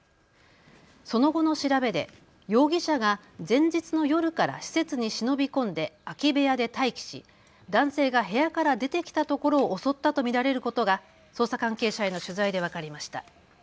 その後の調べで容疑者が前日の夜から施設に忍び込んで空き部屋で待機し、男性が部屋から出てきたところを襲ったと見られることが捜査関係者への取材で分かりました。